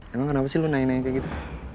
emang kenapa sih lu naik naik kayak gitu